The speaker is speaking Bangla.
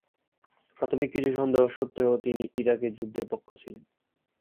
প্রাথমিক কিছু সন্দেহ সত্ত্বেও, তিনি ইরাকে যুদ্ধের পক্ষে ছিলেন।